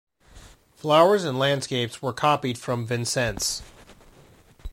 Flowers and landscapes were copied from Vincennes.